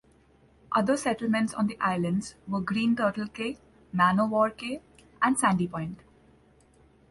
Other settlements on the islands were Green Turtle Cay, Man-o-War Cay, and Sandy Point.